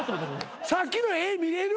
さっきの「えっ！？」見れる？